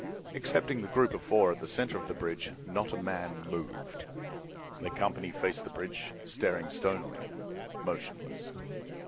Excepting the group of four at the center of the bridge, not a man moved. The company faced the bridge, staring stonily, motionless.